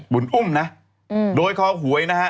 บุญอุ้มนะโดยคอหวยนะฮะ